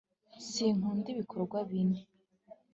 sinkunda ibikobwa bini